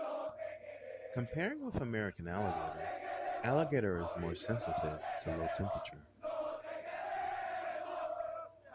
Comparing with American alligator, alligator is more sensitive to low temperature.